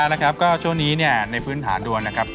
นะครับก็ช่วงนี้เนี่ยในพื้นฐานดวงนะครับ